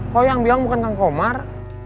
kok yang bilang bukan kang komar